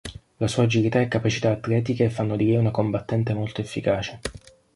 La sua agilità e capacità atletiche fanno di lei una combattente molto efficace.